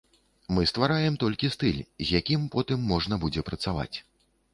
Мы ствараем толькі стыль, з якім потым можна будзе працаваць.